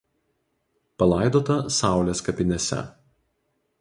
Palaidota Saulės kapinėse.